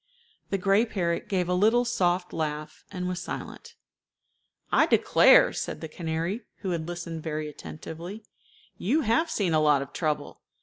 The gray parrot gave a little soft laugh, and was silent. "I declare," said the canary, who had listened very attentively, "you have seen a lot of trouble.